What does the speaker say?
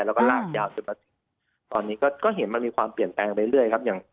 แล้วก็ลากยาวจนมาถึงตอนนี้ก็เห็นมันมีความเปลี่ยนแปลงไปเรื่อยครับอย่าง